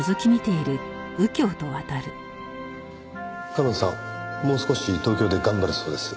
夏音さんもう少し東京で頑張るそうです。